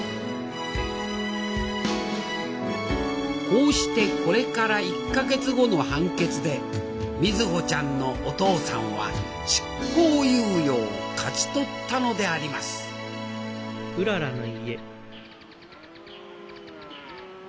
こうしてこれから１か月後の判決で瑞穂ちゃんのお父さんは執行猶予を勝ち取ったのでありますあっ来た来た！